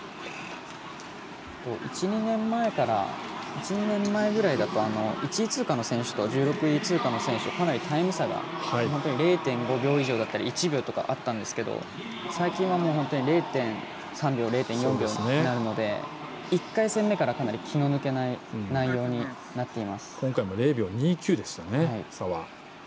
１２年前ぐらいだと１位通過の選手と１６位通過の選手はかなりタイム差が本当に０．５秒以上だったり１秒とかあったんですけど最近は０．３秒、０．４秒になるので１回戦目からかなり気の抜けない今回も０秒２９です、差。